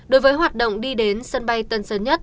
đối với hoạt động đi đến sân bay tân sơn nhất